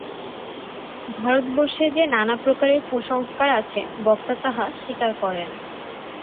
ভারতবর্ষে যে নানা প্রকারের কুসংস্কার আছে, বক্তা তাহা স্বীকার করেন।